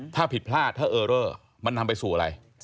ถ้าผิดพลาดถ้าเออเรอมันนำไปสู่อะไร